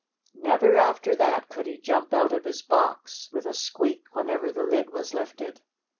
Never after that could he jump out of his box with a squeak whenever the lid was lifted.